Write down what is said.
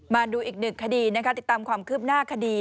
มาดูอีกหนึ่งคดีนะคะติดตามความคืบหน้าคดี